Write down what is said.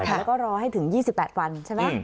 แล้วก็รอให้ถึง๒๘วันใช่ไหม